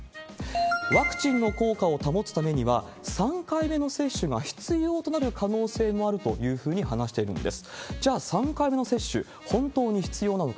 ワクチンの効果を保つためには、３回目の接種が必要となる可能性もあるというふうに話しているんです。